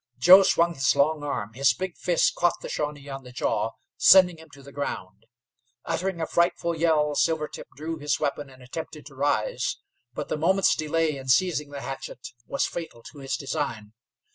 Joe swung his long arm; his big fist caught the Shawnee on the jaw, sending him to the ground. Uttering a frightful yell, Silvertip drew his weapon and attempted to rise, but the moment's delay in seizing the hatchet, was fatal to his design.